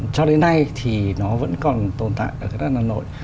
cho đến nay thì nó vẫn còn tồn tại ở các đất nước hà nội